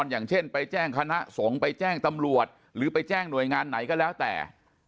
อย่างเช่นไปแจ้งคณะสงฆ์ไปแจ้งตำรวจหรือไปแจ้งหน่วยงานไหนก็แล้วแต่